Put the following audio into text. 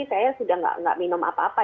saya sudah tidak minum apa apa